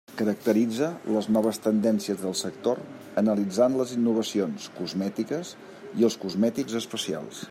Caracteritza les noves tendències del sector analitzant les innovacions cosmètiques i els cosmètics especials.